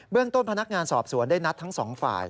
ต้นพนักงานสอบสวนได้นัดทั้งสองฝ่าย